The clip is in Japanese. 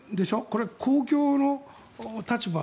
これ、公共の立場